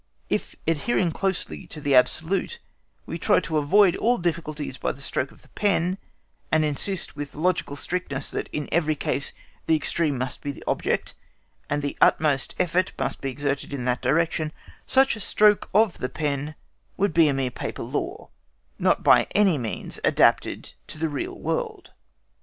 If, adhering closely to the absolute, we try to avoid all difficulties by a stroke of the pen, and insist with logical strictness that in every case the extreme must be the object, and the utmost effort must be exerted in that direction, such a stroke of the pen would be a mere paper law, not by any means adapted to the real world.